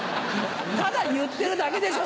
ただ言ってるだけでしょ！